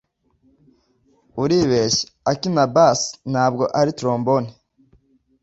Uribeshya. Akina bass, ntabwo ari trombone.